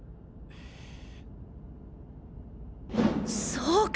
そうか！